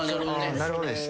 なるほどです。